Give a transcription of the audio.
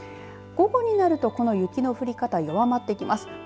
午後になるとこの雪の降り方弱まってきます。